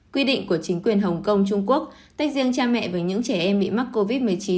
quy định của chính quyền hồng kông trung quốc tách riêng cha mẹ với những trẻ em bị mắc covid một mươi chín